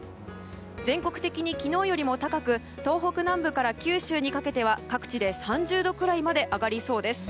全国的に昨日よりも高く東北南部から九州にかけては各地で３０度くらいまで上がりそうです。